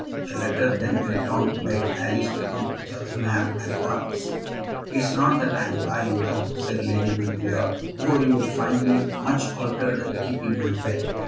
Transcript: The letter then went on to beg Alice to come to Cheltenham at once. "It is not that I am dying now," said Lady Macleod, "though you will find me much altered and keeping my bed.